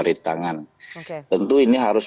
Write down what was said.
ritangan tentu ini harus